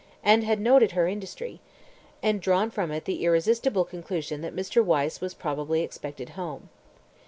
and had noted her industry, and drawn from it the irresistible conclusion that Mr. Wyse was probably expected home.